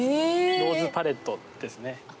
ローズパレットですね。